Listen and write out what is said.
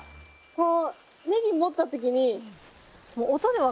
こう。